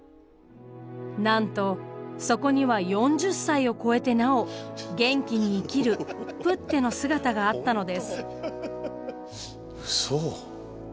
なんとそこには４０歳を超えてなお元気に生きるプッテの姿があったのです。